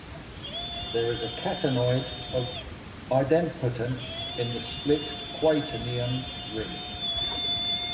There is a catenoid of idempotents in the split-quaternion ring.